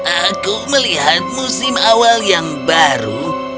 aku melihat musim awal yang baru